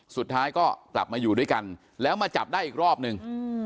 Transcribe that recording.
สุดท้ายก็กลับมาอยู่ด้วยกันแล้วมาจับได้อีกรอบนึง